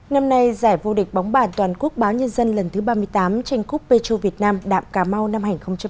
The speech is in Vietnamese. năm nay giải vô địch bóng bản toàn quốc báo nhân dân lần thứ ba mươi tám tranh cúp pê chu việt nam đạm cà mau năm hai nghìn hai mươi